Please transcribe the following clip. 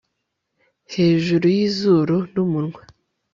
hejuru y'izuru n'umunwa